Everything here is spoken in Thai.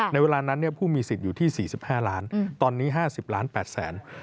เวลานั้นผู้มีสิทธิ์อยู่ที่๔๕ล้านตอนนี้๕๐ล้าน๘แสน